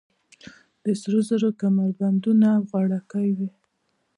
د سرو زرو کمربندونه او غاړکۍ وې